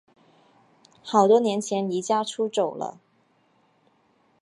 好多年前离家出走了